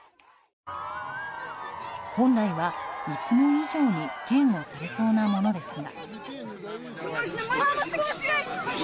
本来は、いつも以上に警護されそうなものですが。